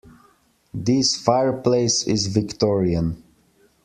This fireplace is Victorian.